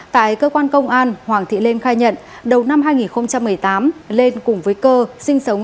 tại cơ quan công an hoàng thị lên khai nhận đầu năm hai nghìn một mươi tám lên cùng với cơ sinh sống